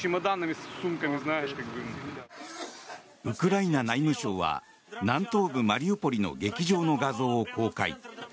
ウクライナ内務省は南東部マリウポリの劇場の画像を公開。